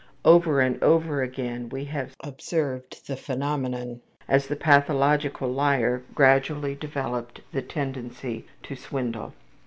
'' Over and over again we have observed the phenomenon as the pathological liar gradually developed the tendency to swindle.